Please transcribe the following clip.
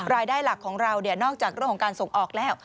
รายได้หลักของเรานอกจากเรื่องของการส่งออกแล้ว